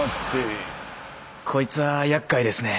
こいつはやっかいですね。